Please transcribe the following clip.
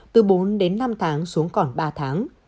từ bốn đến năm tháng xuống còn ba tháng